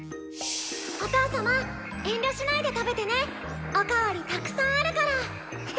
お父様遠慮しないで食べてねおかわりたくさんあるから！